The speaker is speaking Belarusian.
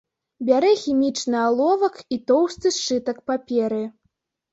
Бярэ хімічны аловак і тоўсты сшытак паперы.